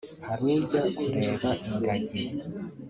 hari ujya kureba ingagi